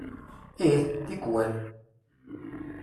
Ih, tikwal.